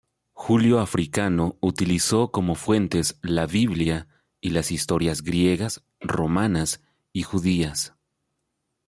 Julio Africano utilizó como fuentes la Biblia y las historias griegas, romanas y judías.